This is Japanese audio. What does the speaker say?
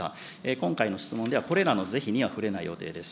今回の質問では、これらの是非には触れない予定です。